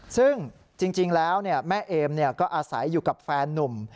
ซึ่งจริงแล้วเนี่ยแม่เอมเนี่ยก็อาศัยอยู่กับแฟนนุ่ม